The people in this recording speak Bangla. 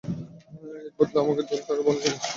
এর বদলে আমার জেলে থাকাই ভালো ছিল।